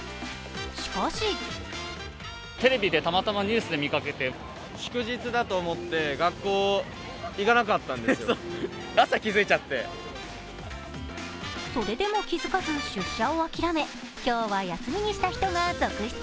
しかしそれでも気づかず出社を諦め、今日は休みにした人が続出。